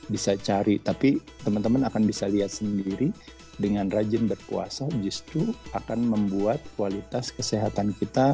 bisa cari tapi teman teman akan bisa lihat sendiri dengan rajin berpuasa justru akan membuat kualitas kesehatan kita